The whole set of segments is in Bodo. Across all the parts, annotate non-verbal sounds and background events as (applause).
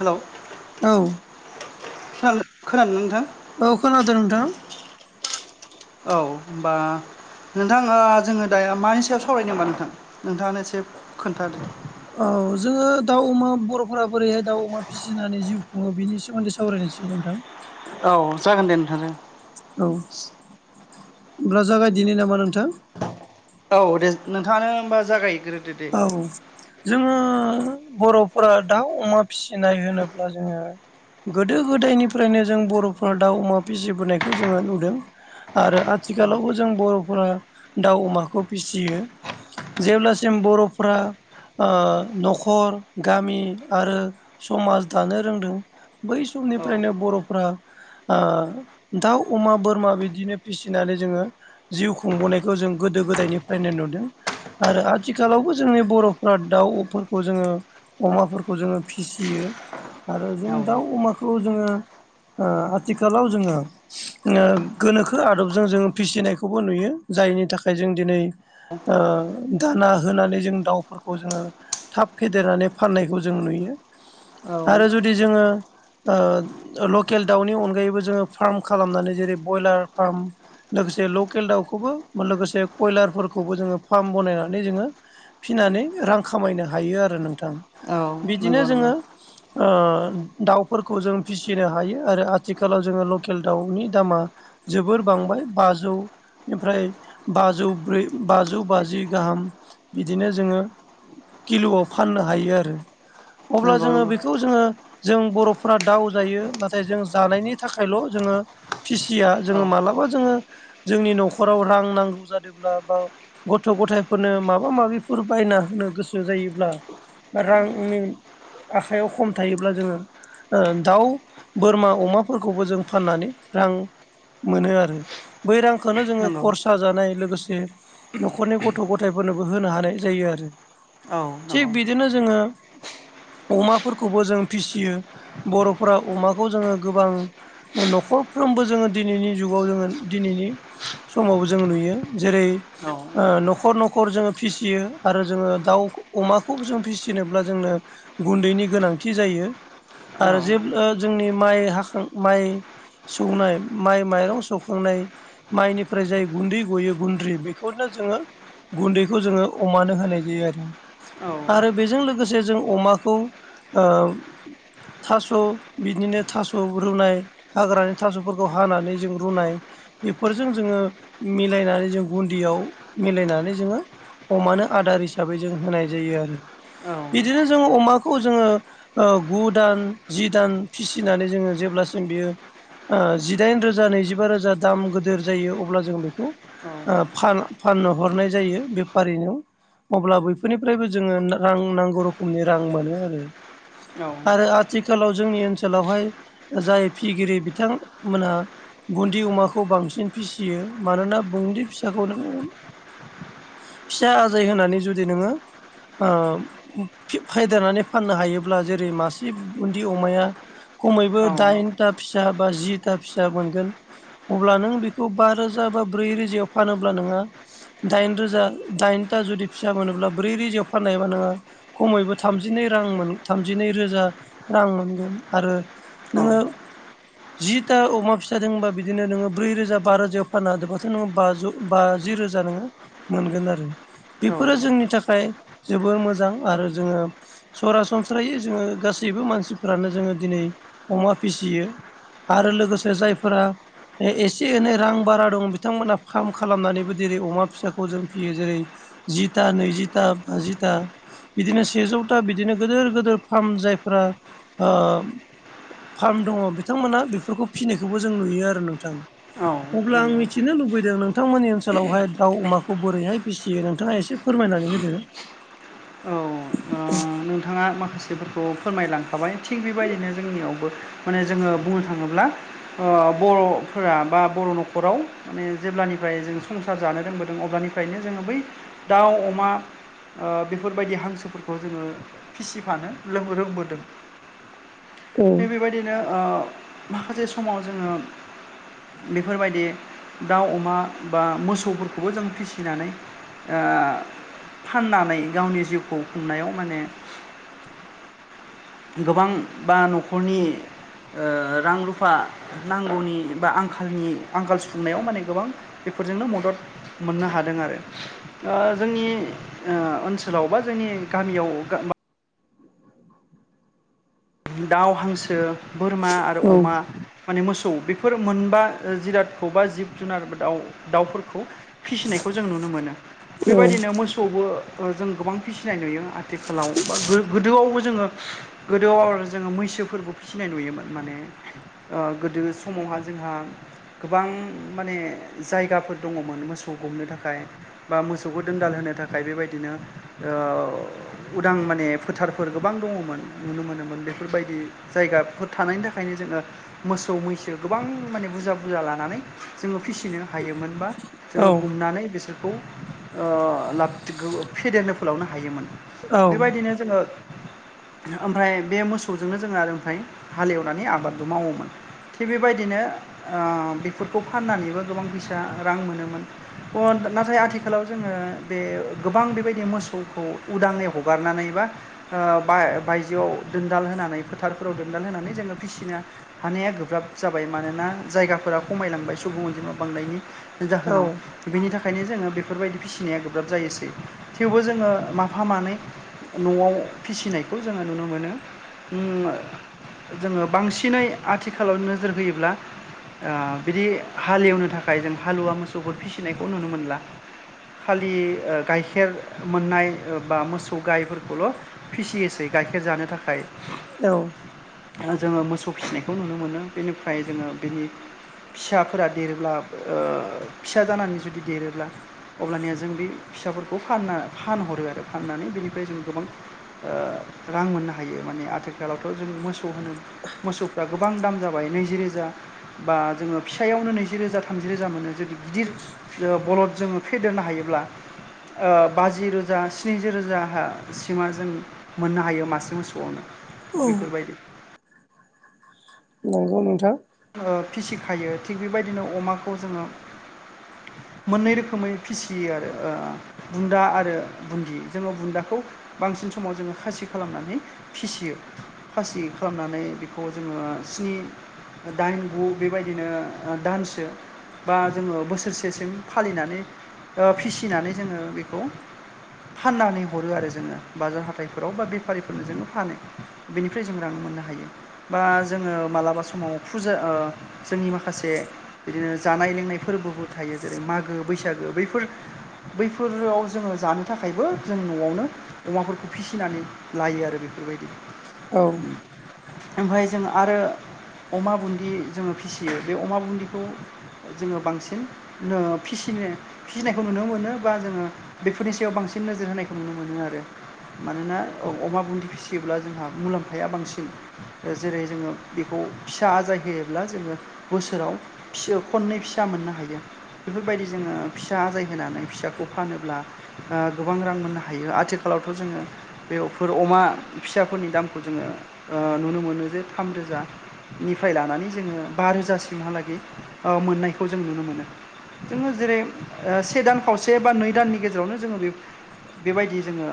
हेल' औ खो- खोनादोंना नोंथां? औ खोनादों नोंथां। औ होमबा नोंथां जोङो दा मानि सायाव सावरायदों होमबा नोंथां नोंथाङानो एसे खोन्थादो। औ जोङो दाउ अमा बर'फोरा बोरैहाय दाउ अमा फिसिनानै जिउ खुङो बेनि सोमोन्दै सावरायनोसै नोंथां। औ जागोन दे नोंथांजों। औ होमब्ला जागायदिनो नामा नोंथां? औ दे नोंथाङानो होमबा जागायग्रोदो दे औ जोङो बर'फोरा दाउ अमा फिसिनाय होनोब्ला जोङो गोदो गोदायनिफ्रायनो जों बर'फोरा दाउ अमा फिसिबोनायखौ जोङो नुदों। आरो औ आथिखालावबो जों बर'फोरा दाउ अमाखौ फिसियो जेब्ला जों बर'फ्रा ओ न'खर गामि आरो समाज दानो रोंदों। बै औ समनिफ्रायनो बर'फ्रा ओ दाउ अमा बोरमा बिदिनो फिसिनानै जोङो जिउ खुंबोनायखौ जों गोदो गोदायनिफ्रायनो नुदों आरो आ आथिखालावबो जोंनि बर'फ्रा दाउफोरखौ जोङो अमाफोरखौ जोङो फिसियो। आरो जों दाउ अमाखौ जोङो ओ आथिखालाव जोङो गोनोखो आदबजों जों फिसिनायखौबो नुयो जायनि थाखाय जों दिनै ओ दाना होनानै जों दाउफोरखौ जोङो थाब फेदेरनानै फाननायखौ जों नुयो औ आरो जुदि जोङो लकेल दाउनि अनगायैबो जोङो फार्म खालामनानै जेरै बयलार फार्म लोगोसे लकेल दाउखौबो लोगोसे कयलारफोरखौबो जोङो फार्म बानायनानै जोङो फिसिनानै रां खामायनो हायो आरो नों थां औ बिदिनो नंगौ नंगौ जोङो दाउफोरखौ जों फिसिनो हायो आरो आथिखालाव जोङो लकेल दाउनि दामा जोबोर बांबाय बाजौनिफ्राय बाजौ ब्रै बाजौ बाजि गाहाम बिदिनो जोङो किल'आव फाननो हायो आरो। अब्ला नंगौ जोङो नंगौ बेखौ जोङो जों बर'फ्रा दाव जायो नाथाय जों जानायनि थाखायल' जोङो फिसिया जोङो औ मालाबा जोङो जोंनि न'खराव रां नांगौ जादोंब्ला बा गथ' गथाइ फोरनो माबा माबिफोर बायना होनो गोसो जायोब्ला रां आखाइयाव खम थायोब्ला जोङो दाउ बोरमा अमाफोरखौबो जों फाननानै रां मोनो आरो बै रांखौनो जोङो नंगौ खरसा जानाय लोगोसे न'खरनि गथ' गथ' गथायफोरनोबो होनो हानाय जायो आरो औ थिग नंगौ बिदिनो जोङो अमाफोरखौबो जों फिसियो बर'फोरा अमाखौ जोङो गोबां न'खरफ्रोमबो जोङो दिनैनि जुगाव जोङो दिनैनि समावबो जों नुयो जेरै औ ओ न'खर न'खर जोङो फिसियो आरो जोङो दाउ अमाखौ जों फिसिनोब्ला जोंनो गुन्दैनि गोनांथि जायो औ आरो जेब्ला जोंनि माइ हाखां माइ सौनाय माइ माइरं सौखांनाय माइनिफ्राय जाय गुन्दै गयो गुन्द्रि बेखौनो जोङो गुन्दैखौ जोङो अमानो होनाय जायो आरो औ आरो बेजों लोगोसे जों अमाखौ थास' बिदिनो थास' रुनाय हाग्रानि थास'फोरखौ हानानै जों रुनाय। बेफोरजों जोङो मिलायनानै जों गुन्दियाव मिलायनानै जोङो अमानो आदार हिसाबै जों होनाय जायो आरो। बिदिनो जों अमाखौ जोङो गु दान जि दान फिसिनानै जोङो जेब्लासिम बियो जिदाइन रोजा नैजिबा रोजा दाम गिदिर जायो अब्ला जों बेखौ फानो। फाननो हरनाय जायो बेफारिनियाव। अब्ला बैफोरनिफ्रायबो जोङो रां नांगौ रोखोमनि रां मोनो आरो आथिखालाव जोंनि ओनसोलावहाय जाय फिगिरि बिथांमोनहा बुन्दि अमाखौ बांसिन फिसियो मानोना बुन्दि फिसाखौ नोङो फिसा आजै होनानै जुदि नोङो ओम फेदेरनानै फाननो हायोब्ला जेरै मासे बुन्दि अमाया खमैबो औ दाइनथा फिसा बा जिथा फिसा मोनगोन। अब्ला नों बेखौ बा रोजा बा ब्रै रोजायाव फानोब्ला नोङो दाइन रोजा दाइनथा जुदि फिसा मोनोब्ला ब्रै रोजायाव फाननो हबा नोङो खमैबो थामजिनै रां मोन थामजिनै रोजा रां मोनगोन। आरो औ नोङो जिथा अमा फिसा दबा बिदिनो नोङो ब्रै रोजा बा रोजायाव फाननो हादोंोबाथ' नोङो ब बाज जि रोजा नोङो मोनगोन आरो। बेफोरो औ जोंनि थाखाय जोबोर मोजां आरो जोङो सरासनस्रायै जोङो गासैबो मानसिफ्रानो जोङो दिनै अमा फिसियो। आरो लोगोसे जायफोरा एसे एनै रां बारा दं बिथांमोना फार्म खालामनानैबो जेरै अमा फिसाखौ जों फियो जेरै जिथा नैजिथा बाजिथा बिदिनो सेजौथा बिदिनो गिदोर गिदिर फार्म जायफ ओम फार्म दङ बिथांमोनहा बेफोरखौ फिसिनायखौबो जों नुयो आरो नोंथां। औ अब्ला आं नंगौ मिथिनो लुबैदों नों थांमोननि ओनसोलावहाय दाउ अमाखौ बोरैहाय फिसियो नोंथाङा एसे फोरमायनानै होदो। औ नोंथाङा माखासेफोरखौ फोरमायलां थाबाय थिग बेबायदिनो जोंनियावबो माने जोङो बुंनो थाङोब्ला आ बर'फोरा बा बर' न'खराव माने जेब्लानिफ्राय जों संसार जानो रोंबोदों अब्लानिफ्रायनो जोङो बै दाउ अमा आ बेफोरबायदि हांसोफोरखौ जोङो फिसिफानो लों रोंबोदों। औ थिग बेबायदिनो माखासे समाव जोङो बेफोरबायदि दाउ अमा बा मोसौफोरखौबो जों फिसिनानै आ फाननानै गावनि जिउखौ खुंनायाव माने गोबां बा न'खरनि रां रुफा नांगौनि बा आंखालनि आंखाल सुफुंनायाव माने गोबां बेफोरजोंनो मदद मोननो हादों आरो। जोंनि ओनसोलाव बा जोंनि गामियाव दाउ हांसो बोरमा आरो औ अमा माने मोसौ बेफोर मोनबा जिरादखौ बा जिब जुनार दाउफोरखौ फिसिनायखौ जों नुनो मोनो बेबायदिनो मोसौआवबो जों गोबां फिसिनाय नुयो। आथिखालाव बा गोदोआवबो जोङो गोदोआव जोङो मैसो फोरबो फिसिनाय नुयोमोन माने गोदो समावहा जोंहा गोबां माने जायगाफोर दङमोन मोसौ गमनो थाखाय बा मोसौखौ दोनदाल होनो थाखाय बेबायदिनो उदां माने फोथारफोर गोबां दङ'मोन नुनो मोनोमोन बेफोरबायदि जायगाफोर थानायनि थाखायनो जोङो मोसौ मैसो गोबां माने बुरजा बुरजा लानानै जोङो फिसिनोनो हायोमोन। बा जोङो औ गुमनानै बिसोर खौ ओ लाबथिखो फेदेरनो फोलावनो हायोमोन। बेबायदिनो जोङो ओमफ्राय बे मोस सौजोंनो जोङो आरो ओमफ्राय हालेवनानै आबादबो मावोमोन। थि आ बेबायदिनो ओ बेफोरखौ फाननानैबो गोबां फैसा रां मोनोमोन। अ (unintelligible) नाथाय आथिखालाव जोङो बे गोबां बेबायदि मोसौखौ उदाङै हगारनानै बा ओ बा बायजोआव दोनदाल होनानै फोथारफोराव दोनदाल होनानै जोङो फिसिनो हानाया गोब्राब जाबाय मानोना जायगाफोरा खमायलांबाय सुबुं अनजिमा बांनायनि जाहोनाव बिनि थाखायनो जोङो बेफोरबायदि फिसिनाया गोब्राब जायोसै थेवबो जोङो माफा मानै न'आव फिसिनायखौ जोङो नुनो मोनो। उम ओ जोङो बांसिनै आथिखालाव नोजोर होयोब्ला ओ बिदि हालेवनो थाखाय जों हालुवा मोसौफोर फिसिनायखौ नुनो मोनला खालि ओ गाइखेर मोननाय ओ बा मोसौ गायफोरखौल' फिसियोसै गाइखेर जानो थाखाय औ। ओहो जोङो मोसौ फिसिनायखौ नुनो मोनो बेनिफ्राय जोङो बेनि फिसाफोरा देरोब्लाब ओ फिसा जानानै जुदि देरोब्ला अब्लानिया जों बि फिसाफोरखौ फानना फानहरो आरो फाननानै बिनिफ्राय जों गोबां ओ रां मोननो हायो माने आथिखालावथ' जों मोसौ होनो मोसौफ्रा गोब बां दाम जाबाय नैजि रोजा बा जोङो फिसायावनो नैजि रोजा थामजि रोजा मोनो जुदि गिदिर ओ बलद जोङो फेदेरनो हायोब्ला ओ बाजि रोजा स्निजि रोजाहा सिमा जों मोननो हायो मासे मोस औ (unintelligible) बेफोरबायदि नंगौ नोंथां। ओ फिसिखायो थिग बेबायदिनो अमाखौ जोङो मोननै रोखोमै फिसियो आरो ओ बुन्दा आरो बुन्दि जोङो बुन्दाखौ बांसिन समाव जोङो खासि खालामनानै फिसियो फासि खालामनानै बेखौ जोङो स्नि ओ दाइन गु बेबायदिनो ओ दानसो बा जोङो बोसोरसेसिम फालिनानै ओ फिसिनानै जोङो बेखौ फाननानै हरो आरो जोङो बाजार हाथाइफोराव बा बेफारिफोरनो जोङो फानो बेनिफ्राय जों रां मोननो हायो बा जोङो मालाबा समाव फुजा ओ जोंनि माखासे बिदिनो जानाय लोंनाय फोरबोबो थायो जेरै मागो बैसागो बैफोर बैफोराव जोङो जानो थाखायबो जों न'आवनो अमाफोरखौ फिसिनानै लायो आरो बेफोरबायदि औ उम ओमफाय जों आरो अमा बुन्दि जोङो फिसियो बे अमा बुन्दिखौ जोङो बांसिन नो फिसिनो फिनायखौ नुनो मोनो बा जोङो बेफोरनि सायाव बांसिन नोजोर होनायखौ नुनो मोनो आरो। मानोना औ अमा बुन्दि फिसियोब्ला जोंहा मुलाम्फाया बांसिन ओ जेरै जोङो बेखौ फिसा आजाय होयोब्ला जोङो बोसोराव फिसो खननै फिसा मोननो हायो। बेफोरबायदि जोङो फिसा आजाय होनानै फिसाखौ फानोब्ला ओ गोबां रां मोननो हायो आथिखालावथ' जोङो बेवफोर अमा फिसाफोरनि दामखौ जोङो ओ नुनो मोनो जे थामरोजा निफ्राय लानानै जोङो बा रोजासिमहालागै औ मोननायखौ जों नुनो मोनो। जोङो जेरै ओ से दान खावसे बा नै दाननि गेजेरावनो जोङो बे बेबायदि जोङो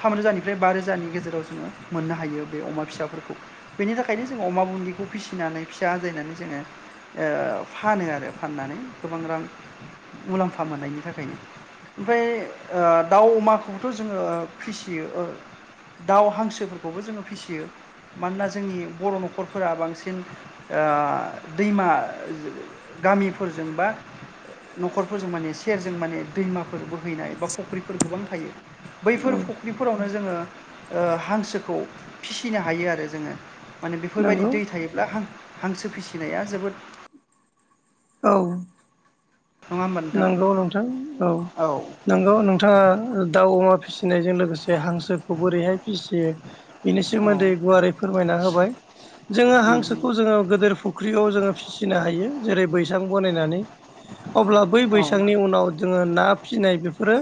थाम रोजानिफ्राय बा रोजानि गेजेराव जोङो मोननो हायो बे अमा फिसाफोरखौ बेनि थाखायनो जों अमा बुनदि बेखौ फिसिनानै फिसा आजायनानै जोङो ओ फानो आरो फाननानै गोबां रां मुलाम्फा मोननायनि थाखायनो ओमफाय दाउ अमाखौबोथ' जोङो फिसियो ओ दाउ हांसोफोरखौबो जोङो फिसियो मानोना जोंनि बर' न'खर फोरा बांसिन ओ दैमा गामिफोरजों बा न'खरफोरजों माने सेरजों माने दैमाफोर बोहैनाय बा फुख्रिफोर गोबां थायो औ बैफोर फुख्रिफोरावनो जोङो ओ हांसोखौ फिसिनो हायो आरो जोङो माने बे बेफोरबायदि नंगौ दै थायोब्ला हां-हांसो फिसिनाया जोबोद औ नङा होमबा नोंथां नंगौ नोंथां औ नोंगौ नोंथाङा दाउ अमा फिसिनायजों लोगोसे हांसोखौ बोरैहाय फिसियो बिनि औ सोमोन्दै गुवारै फोरमायना होबाय जोङो हांसोखौ उम जोङो गोदोर फुख्रियाव जोङो फिसिनो हायो जेरै बैसां बानायनानै अब्ला बै औ बैसांनि उनाव जोङो ना फिसिनाय बेफोरो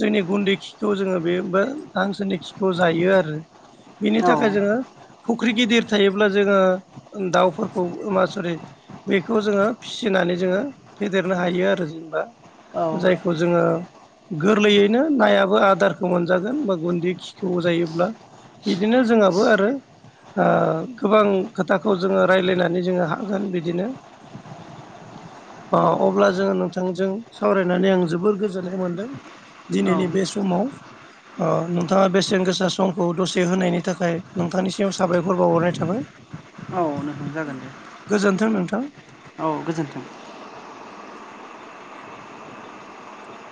जोंनि गुन्दै खिखौ जोङो बे हांसोरनि खिखौ जायो आरो बिनि औ थाखाय जोङो फुख्रि गिदिर थायोब्ला जोङो दाउफोरखौ मा स'रि बेखौ जोङो फिसिनानै जोङो फेदेरनो हायो आरो जेनेबा औ जायखौ खौ जोङो गोरलैयैनो नायाबो आदारखौ मोनजागोन बा गुन्दै खि खेव जायोब्ला बिदिनो जोंहाबो आरो गोबां खोथाखौ जोङो रायलायनानै जोङो हागोन बिदिनो अ औ अब्ला जोङो नोंथांजों सावरायनानै आं जोबोर गोजोननाय मोनदों दिनैनि बे समाव अ नोंथाङा बेसेन गोसा समखौ दसे होनायनि थाखाय नोंथांनिसिम साबायखर बावहरनाय थाबाय औ नोंथां जागोन दे गोजोनथों नोंथां औ गोजोन्थों